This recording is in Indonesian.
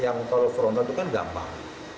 yang kalau front run itu kan gampang